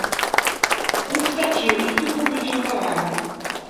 – Он вскочил и стукнул ключом по раме.